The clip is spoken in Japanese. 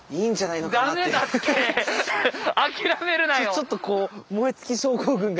ちょっとこう燃え尽き症候群が。